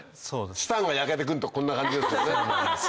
チタンが焼けてくるとこんな感じですよね